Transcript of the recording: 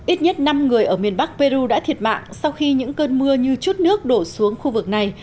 ít nhất năm người ở miền bắc peru đã thiệt mạng sau khi những cơn mưa như chút nước đổ xuống khu vực này